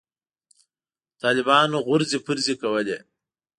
طالبانو غورځې پرځې کولې.